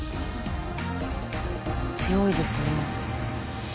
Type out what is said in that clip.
強いですね。